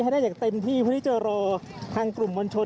ให้ได้อย่างเต็มที่เพื่อที่จะรอทางกลุ่มมวลชน